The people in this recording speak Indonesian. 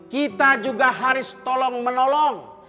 kita juga harus tolong menolong